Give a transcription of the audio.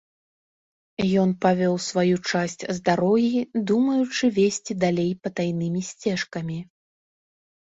Ён павёў сваю часць з дарогі, думаючы весці далей патайнымі сцежкамі.